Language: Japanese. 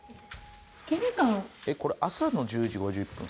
えっこれ朝の１０時５１分？